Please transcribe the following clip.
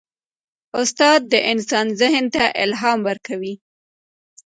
استاد د انسان ذهن ته الهام ورکوي.